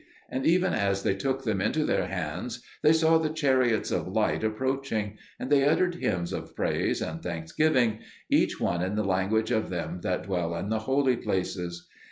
And even as they took them into their hands they saw the chariots of light approaching; and they uttered hymns of praise and thanksgiving, each one in the language of them that dwell in the holy places.